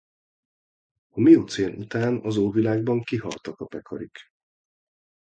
A miocén után az Óvilágban kihaltak a pekarik.